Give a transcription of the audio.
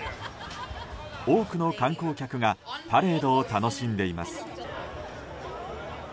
多くの観光客がパレードを楽しんでいます。